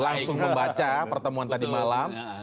langsung membaca pertemuan tadi malam